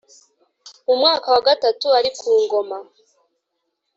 Mu mwaka wa gatatu ari ku ngoma